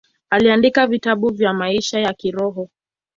Aliandika vitabu vya maisha ya kiroho.